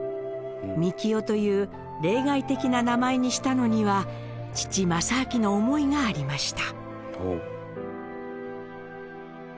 「幹生」という例外的な名前にしたのには父政亮の思いがありました。